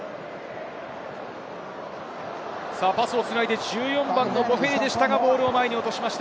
パスを繋いでボフェリでしたが、ボールを前に落としました。